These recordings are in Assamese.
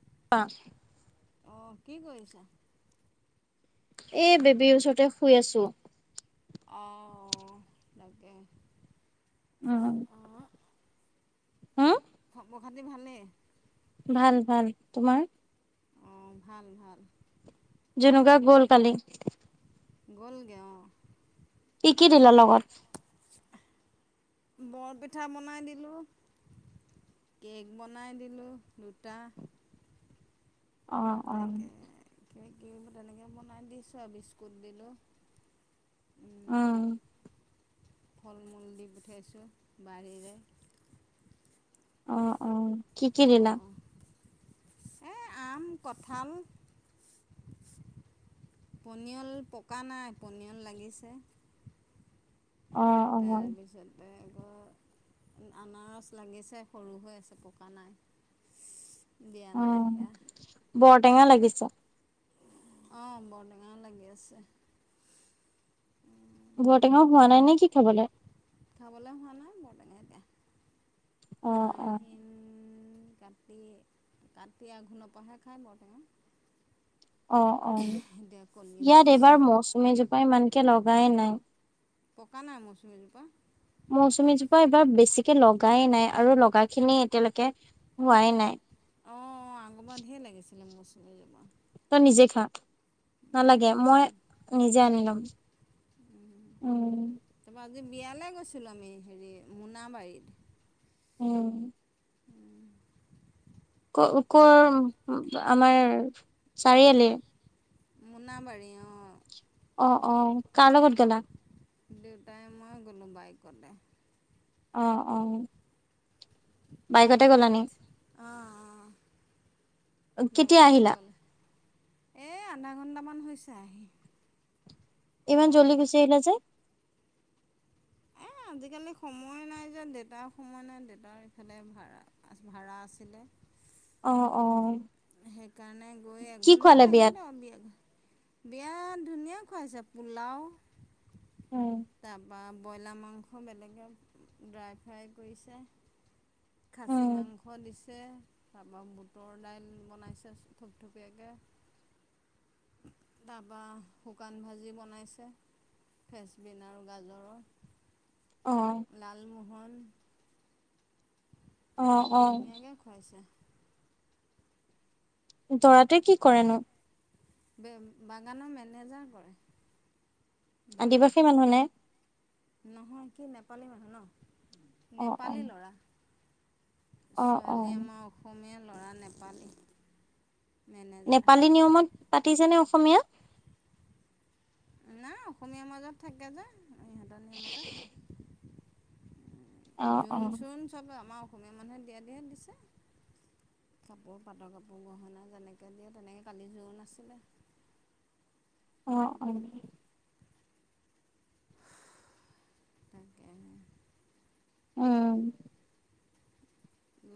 অ'। অ', কি কৰিছা? এ, বেবীৰ ওচৰতে শুই আছোঁ। অ', অ', তাকে। উম, অ', হম! খৱৰ খাতি ভালেই? ভাল, ভাল। তোমাৰ? অ', ভাল, ভাল। জুনুকা গ'ল কালি। গ'লগে অ'। কি, কি দিলে লগত? বৰপিঠা বনাই দিলোঁ। কেক বনাই দিলোঁ, দুটা। অ'। অ'। তাকে [unintelligible] তেনেকৈ বনাই দিছোঁ আৰু বিস্কুট দিলোঁ। অ'। ফলমূল দি পঠিয়াইছোঁ বাৰীৰে। অ', অ', কি, কি দিলা? অ', এই আম, কঁঠাল পনিয়ল পকা নাই, পনিয়ল লাগিছে। অ', অ'। তাৰপিছতে আকৌ আনাৰস লাগিছে সৰু হৈ আছে পকা নাই। দিয়া নাই অ', সেয়া বৰটেঙা লাগিছে। অ', বৰটেঙা লাগি আছে। বৰটেঙাও হোৱা নাই নেকি খাবলে? খাবলে হোৱা নাই বৰটেঙা এতিয়া। অ', অ'। আহিন কাতি, কাতি আঘোণ পাহে খাই বৰটেঙা। অ', অ', এতিয়া কলি হৈ ইয়াত আছে এইবাৰ মৌচুমীজোপা ইমানকে লগায়ে নাই। পকা নাই মৌচুমীজোপা? মৌচুমীজোপা এইবাৰ বেছিকে লগায়ে নাই আৰু লগাখিনি এতিয়ালৈকে হোৱাই নাই। অ', অ', আগবাৰ ধেৰ লাগিছিলে মৌচুমীজোপা। তই নিজে খা, নালাগে মই নিজে আনি ল'ম। উম। তাৰপৰা আজি বিয়ালৈ গৈছিলোঁ আমি হেৰি মোনাবাৰীত। উম। ক কৰ আমাৰ চাৰিআলি। মোনাাবাৰী অ'। অ', অ', কাৰ লগত গ'লা। দেউতাই মই গ'লো বাইকতে। অ', অ'। বাইকতে গলানি অ', অ'। কেতিয়া বাইকতে আহিলা। গ'ল এই আধা ঘণ্টামান হৈছে আহি। ইমান পোৱা জল্লি গুচি আহিলা যে। এ আজিকালি সময় নাই যে দেউতাৰ সময় নাই দেউতাৰ ইফালে ভাড়া, ভাড়া আছিলে। অ', অ'। সেইকাৰণে গৈ কি এঘন্টা খোৱালে বিয়াত থাকিলো বিয়া। বিয়াত ধুনীয়া খুৱাইছে পোলাও উম তাৰ। বা ব্ৰইলাৰ মাংস বেলেগে ড্ৰাই ফ্ৰাই কৰিছে। খাচী উম মাংস দিছে তাৰপৰা বুটৰ দাইল। বনাইছে থুপথুপীয়াকে। তাৰপা শুকান ভাজি বনাইছে। ফ্ৰেচবিন আৰু অ গাজৰৰ। লালমোহন অ', অ'। ধুনীয়াকৈ খুৱাইছে দৰাটো কি কৰেনো। বাগানৰ মেনেজাৰ হয়। আদিবাসী মানুহ নে? নহয় কি নেপালী মানুহ ন অ অ নেপালী ল'ৰা। অ অ ছোৱালী আমাৰ অসমীয়া ল'ৰা নেপালী। মেনেজাৰ নেপালী নিয়মত পাতিছেনে অসমীয়া। নাই অসমীয়াৰ মাজত থাকে যে ইহঁতৰ নিয়মতে। অ অ জোৰোণ চোৰণ চব আমাৰ অসমীয়া মানুহে দিয়া দিয়ে দিছে। কাপোৰ পাটৰ কাপোৰ গহণনা যেনেকৈ দিয়ে তেনেকৈ কালি যোৰন নাছিলে। অ', অ'। তাকে উ।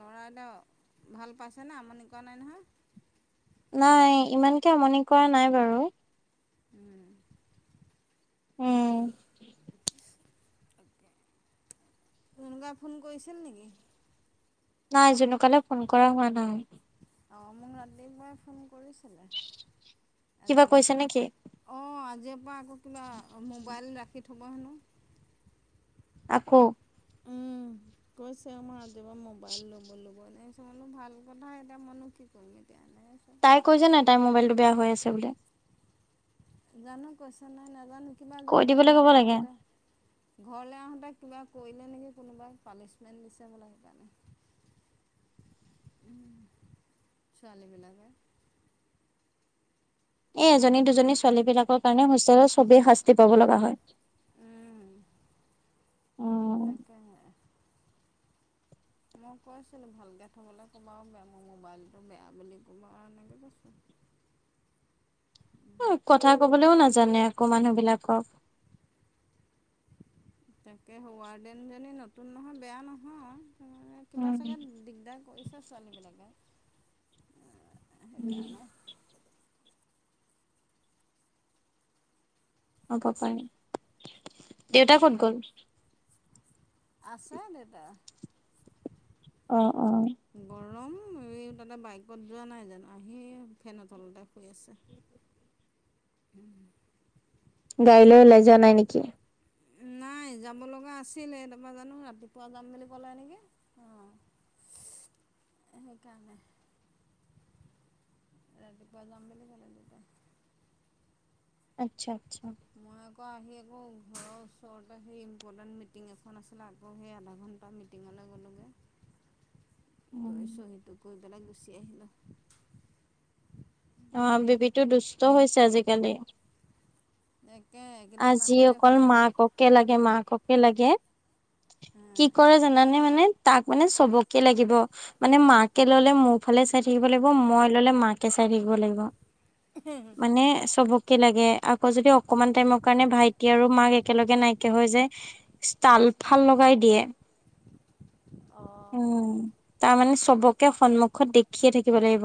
ল'ৰা এদয়া ভাল পাইছেনে আমনি কৰা নাই নহয়। নাই ইমানকে আমনি কৰা নাই বাৰু। উম। উম। কোনোবা ফোন কৰিছে নেকি। নাই জোনুকালে ফোন কৰা হোৱা নাই। অ', মোক ৰাতিপুৱাই ফোন কৰিছে। কিবা আজি কৈছে নেকি অ', আজিৰ পৰা। আকৌ কিবা মোবাইল ৰাখি থ'ব হেনো। আকৌ। উম, কৈছে মই আজি মোবাইল ল'ব লব। তাৰছা মনো ভাল কথা এতিয়া মনো কি কৰিম এতিয়া। এনেকৈ কৈছে। তাই কৈ যে নাই তাইৰ মোবাইলটো বেয়া হৈ আছে বুলি। জানো কৈছা নাই নাজানো কিবা কৈ যোনা দিবলৈ ক'ব ঘৰলে লাগে আহোতে ঘৰলে আহোতে। কিবা কৰিলে নেকি কোনোবাই পানিছমেণ্ট দিছে বোলে সেইকাৰণে। উ, ছোৱালীবিলাকে। এ, এজনী, দুজনী ছোৱালীবিলাকৰ কাৰণে হোষ্টেলত চবেই শাস্তি পাব লগা হয়। উম তাকেহে। মই কৈছিলোঁ ভালকে থবলৈ, কবা বেয়া মোৰ মবাইলটো বেয়া বুলি ক'ব এনেকে কৈছোঁ। [inaudible] উ, কথা কবলৈও নাজানে আকৌ মানুহবিলাকক। তাকে হোৱাৰ্ডেনজনী নতুন নহয়, বেয়া নহয়। উম, কিবা চাগে দিগদাৰ কৰিছে ছোৱালীবিলাকে। উম। সেইকাৰণে হ'ব পাৰে। দেউতা ক'ত গ'ল? আছে দেউতাই। অ', অ'। তাতে বাইকত যোৱা নাই জানো, আহি ফেনৰ তলতে শুই আছে। উম। গাড়ীলৈ ওলাই যোৱা নাই নেকি? নাই যাব লগা আছিলে তাৰপা জানো ৰাতিপুৱা যাম বুলি ক'লে নেকি অ'। সেইকাৰণে। ৰাতিপুৱা যাম বুলি ক'লে দেউতাই। আচ্ছা আচ্ছা। মই আকৌ আহি আকৌ ঘৰৰ ওচৰতে সেই ইম্পৰ্টেণ্ট মিটিং এখন আছিলে আকৌ সেই আধা ঘণ্টা মিটিঙত উম গৈছোঁ সেইটো কৰি পেলাই গুচি আহিলোঁ। অ' বেবীটো দুষ্ট হৈছে আজিকালি। একে এইকেইদিন আজি মাতটোৱে অকল শুনা নাই মাককে লাগে, মাককে লাগে। কি হা কৰে জানানে মানে তাক মানে চবকে লাগিব, মানে মাকে ললে মোৰ ফালে চাই থাকিব লাগিব, মই ললে মাকে চাই থাকিব লাগিব। মানে চবকে লাগে আকৌ যদি অকমান টাইমক কাৰণে ভাইটি আৰু মাক একেলগে নাইকিয়া হৈ যে, তাল ফাল লগাই দিয়ে। উম, অঁ তাৰমানানে চবকে সন্মুখত দেখিয়ে থাকিব লাগিব।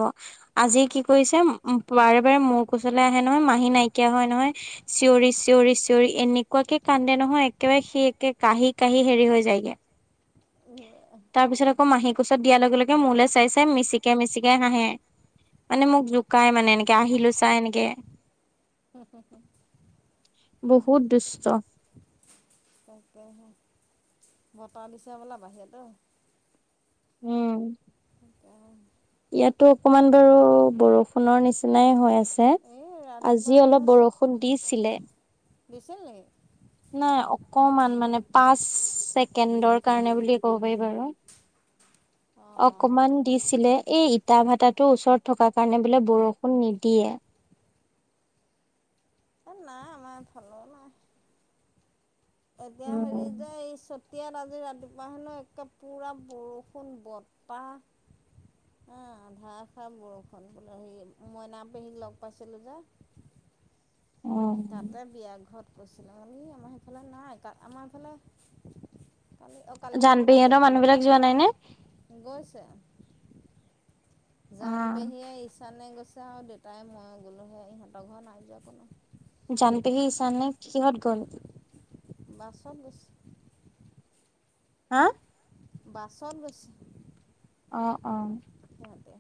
আজি কি কৰিছে উ, বাৰে বাৰে মোৰ কোচলে আহে নহয়, মাহী নাইকিয়া হয় নহয় চিঞৰি চিঞৰি চিঞৰি এনেকুৱাকে কান্দে নহয় একেবাৰে সি একে কাঁহি কাহি হেৰি হৈ যায়গে। তাৰপিছত আক আকৌ মাহী কোছত দিয়াৰ লগে লগে মোলৈ চাই চাই মিচিকাই, মিচিকাই হাঁহে। মানে মোক জোকাই মানে এনেকে আহিলোঁ চাই এনেকে। উম, হুম, হুম। বহুত দুষ্ট। তাকেহে বতাহ দিছে বলা বাহিৰলৈ। উম। ইয়াতো অকমান বাৰু বৰষুণৰ নিচিনাই হৈ আছে। ছত এই ৰাতিপুৱা আজি হ'লে অলপ চ বৰষুণ দিছিলে। দিছিল নকি? নাই অকমান মানে পাঁচ ছেকেণ্ডৰ কাৰণে বুলি ক'ব পাৰি বাৰু। অঁ অকমান দিছিলে, এই ইটা ভাটাটো ওচৰত থকাৰ কাৰণে বোলে বৰষুণ নিদিয়ে। এ, নাই আমাৰ এইফালে, নাই। এতিয়া হেৰি উম যে এই চত তিয়াল আজি ৰাতিপুৱা হেনো একে পুৰা বৰষুণ, বতাহ আ, ধাষাৰ বৰষুণ বোলে সি মইনা পেহীক লগ পাইছিলোঁ যে উম, তাতে বিয়া ঘৰত কৈছিলে মান আমাৰ সেইফালে নাই আমাৰ এইফালে কালি অ', কালি ৰাতি নাই জানপেহীহঁতৰ দিয়ক মানুহ বিলাক যোৱা নাই নে? পৰহি গৈছে। জান অ', পেহীয়ে ইচানে গৈছে আৰু দেউতাই মই গ'লোঁহে ইহঁতৰ ঘৰ নাই যোৱা কোনো। জানপেহী ইছানে কিহত গ'ল? বাছত গৈছে। হা? বাচত গৈছে। অ', অ'। তাতে।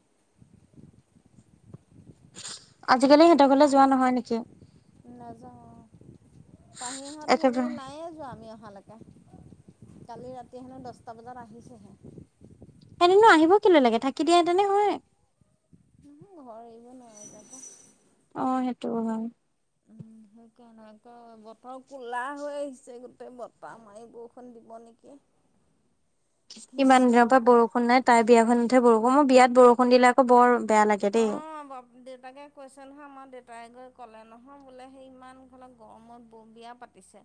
আজিকালি সিহঁতৰ ঘৰলৈ যোৱা নহয় নেকি? নাযাও অ', পাহিহত হেৰি একেবাৰে নাইে যোৱা আমি অহা লৈকে। কালি ৰাতি হেনো দহটা বজাত আহিছেহে। সিহঁতেনো আহিব কেলৈ লাগে থাকি দিয়া হেতেনে হয়। [unintelligible] অ', সেইটো হয়। [unintelligible] বতৰ কলা হৈ আহিছে গোটেই বতাহ মাৰি বৰষুন দিব নেকি। [inaudible] ইমান কৃষ্ণ দিনৰ পৰা প বৰষুণ নাই তাই বিয়াখনতহে বৰষুণ মই বিয়াত বৰষুণ দিলে আকৌ বৰ বেয়া লাগে দেই। অ', দেউতাকে কৈছে নহয় আমাৰ দেউতাই গৈ ক'লে নহয় বোলে সেই ইমান ঘলে গৰমত ব বিয়া পাতিছে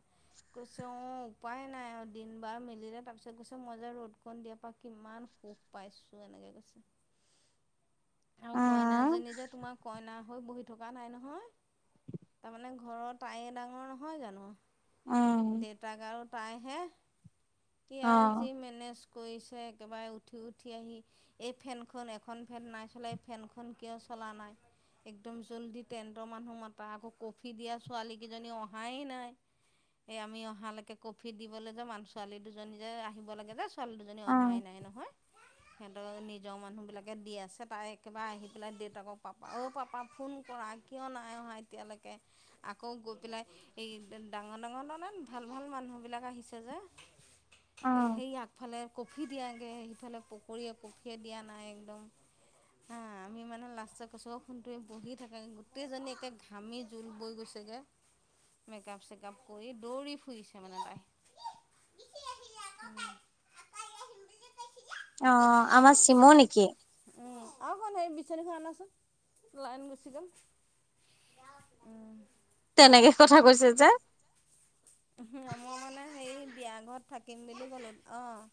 কৈছে অ', উপায় নাই অ', দিন বাৰ মিলিলে তাৰ পিছত গৈছে মই যে ৰ'দ কণ দিয়াৰ পৰা কিমান সুখ পাইছো এনেকে কৈছে। [inaudible] আৰু উম, কইনাজনী যে তোমাৰ কইনা হৈ বহি থকা নাই নহয় তাৰমানে ঘৰত তায়ে ডাঙৰ নহয় জানো। দেউতাক আৰু তাইহে ইয়াই অ'। যি মেনেজ কৰিছে একেবাৰে উঠি উঠি আহি এই ফেনখন এখন ফেন নাই চলা ফেনখন কিয় চলা নাই। একদম জল্দি টেণ্টৰ মানুহ মতা আকৌ কফি দিয়া ছোৱালীকেইজনী অহাই নাই। এ আমি অহালৈকে কফি দিবলৈ যে ছোৱালী দুজনী যে আহিব লাগে যে ছোৱালী দুজনী অ', অহাই নাই নহয় সিহঁতৰ নিজৰ মানুহবিলাকে দি আছে তাই একবাৰে আহি পেলাই দেউতাকৰ পাপা অ' পাপা ফোন কৰা কিয় নাই অহা এতিয়ালৈকে আকৌ গৈ পেলাই এই ডাঙৰ ডাঙৰ তাৰ মানে ভাল ভাল মানুহবিলাক আহিছে যে সেই আগফালে কফি দিয়াগে সিফালে পকৰীয়ে কফিয়ে দিয়া নাই একদম। হা [inaudible] [unintelligible] লাষ্টত কৈছোঁ অই সোণ তুমি বহি থাকা গে গোটেইজনী একে ঘামি জোল বৈ গৈছেগে। মেকাপ চেকাপ কৰি দৌৰি ফুৰিছে মানে তাই। [inaudible] অ', আমাৰ চিমৌ নেকি? অ' সোণ হেৰি বিচনাীখন আনাচোন লাইন গুচি গ'ল উম। তেনেকে কথা কৈছে যে। উম, মই মানে হে বিয়া ঘৰত থাকিম বুলি কলো অ'।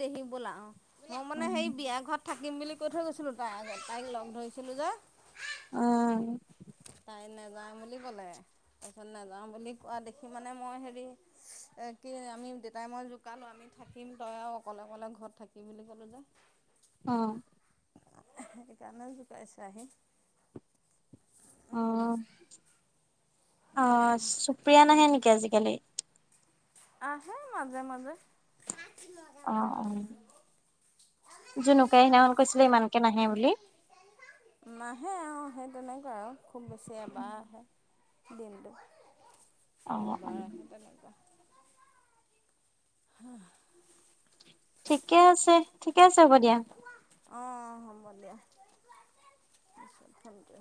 দেহি ব'লা অ'। মই মানে সেই উম, বিয়া ঘৰত থাকিম বুলি কৈ থৈ গৈছিলো তাৰ আগত তাইক লগ ধৰিছিলো যে আহ। নাযায় বুলি ক'লে। তাৰ পিছত নাযাওঁ বুলি কোৱা দেখি মানে মই হেৰি এ কি আমি দেতাই মই জোকালো আমি আমি থাকিম তই আৰু অকলে অকলে ঘৰত থাকিম বুলি ক'লোঁ যে অ'। সেইকাৰণে জোকাইছে আহি। উম, অ', অ'সুপ্ৰিয়া নাহে নেকি আজিকালি? আহে মাজে, মাজে। কি মজা বতাহ অ', অ'। মাৰি জনুকাই সিদিনাখন কৈছিলে ইমানকে নাহে বুলি। নাহে আৰু সেই তেনেকুৱা আৰু খুব বেছি এবাৰ আহে দিনটো। অ', দুবাৰ অ'। আহে তেনেকুৱা। হা। ঠিকে আছে। আছে হ'ব দিয়া। অ', হ'ব দিয়া। Thank U.